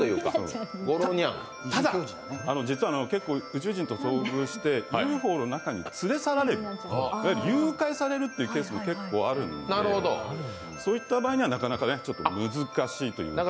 実は、宇宙人と遭遇してＵＦＯの中に連れ去られるいわゆる誘拐されるケースも結構あるのでそういった場合にはなかなか難しいというか。